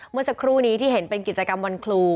เมื่อสักครู่นี้ที่เห็นเป็นกิจกรรมวันครู